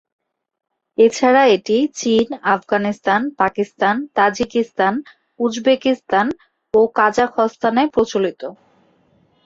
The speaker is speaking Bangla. এছাড়া এটি চীন, আফগানিস্তান, পাকিস্তান, তাজিকিস্তান, উজবেকিস্তান ও কাজাখস্তানে প্রচলিত।